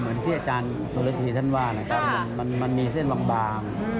เหมือนที่อาจารย์สุฤษฎีท่านว่านะครับมันมันมันมีเส้นหล่องบาง